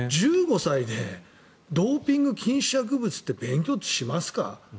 １５歳でドーピング禁止薬物って勉強ってしますか？